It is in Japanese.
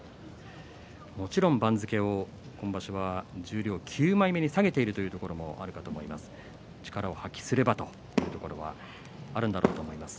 もちろん番付を今場所は十両９枚目に下げているというところもあると思います力を発揮すればということもあると思います。